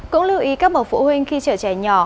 cũng lưu ý các bậc phụ huynh khi chở trẻ nhỏ